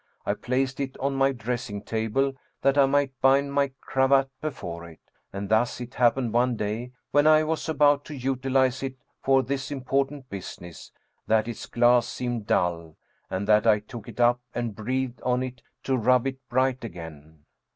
I placed it on my dressing table that I might bind my cravat before it, and thus it happened one day, when I was 144 Ernest T header Amadeus Hoffmann about to utilize it for this important business, that its glass seemed dull, and that I took it up and breathed on it to rub it bright again.